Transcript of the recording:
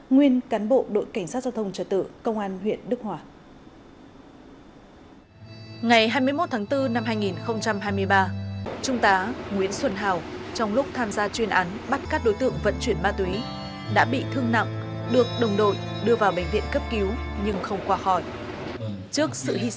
nguyên cán bộ đội cảnh sát giao thông trợ tự công an nguyễn văn trạch